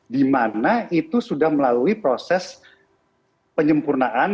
dimana itu sudah melalui proses penyempurnaan